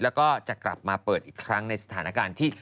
แล้วก็จะกลับมาเปิดอีกครั้งในสถานการณ์ที่